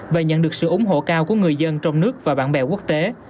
và nhận được sự ủng hộ cao của người dân trong nước và bạn bè quốc tế